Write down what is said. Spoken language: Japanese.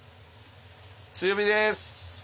強火です。